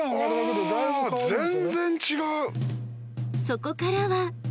［そこからは］